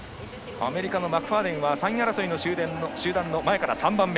アメリカのマクファーデン３位争いの集団の前から３番目。